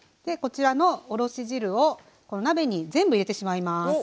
こちらのおろし汁を鍋に全部入れてしまいます。